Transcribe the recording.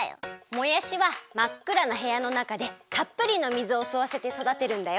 もやしはまっくらなへやのなかでたっぷりの水をすわせて育てるんだよ！